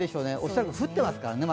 恐らく降ってますからね